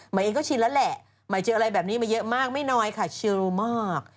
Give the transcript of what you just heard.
เองก็ชินแล้วแหละหมายเจออะไรแบบนี้มาเยอะมากไม่น้อยค่ะชิลมาก